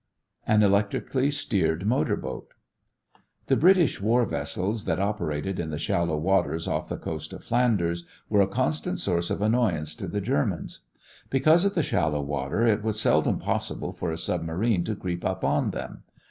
AN ELECTRICALLY STEERED MOTOR BOAT The British war vessels that operated in the shallow waters off the coast of Flanders were a constant source of annoyance to the Germans. Because of the shallow water it was seldom possible for a submarine to creep up on them.